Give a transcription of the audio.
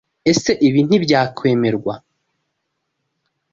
Ese Ibi ntibyakwemerwa.